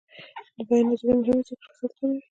د بیان ازادي مهمه ده ځکه چې فساد کموي.